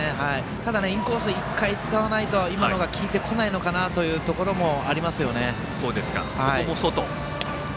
ただ、インコース１回使わないと今のがきいてこないのかなというのもありますね。